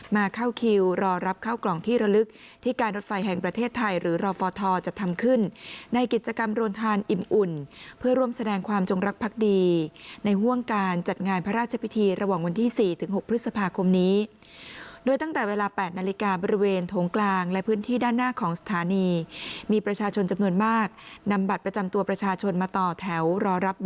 มาเข้าคิวรอรับข้าวกล่องที่ละลึกที่การรถไฟแห่งประเทศไทยหรือรอฟทจะทำขึ้นในกิจกรรมโรงทานอิ่มอุ่นเพื่อรวมแสดงความจงรักพักดีในห้วงการจัดงานพระราชพิธีระหว่างวันที่สี่ถึงหกพฤษภาคมนี้โดยตั้งแต่เวลาแปดนาฬิกาบริเวณโถงกลางและพื้นที่ด้านหน้าของสถานีมีประชา